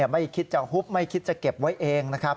ไม่คิดจะฮุบไม่คิดจะเก็บไว้เองนะครับ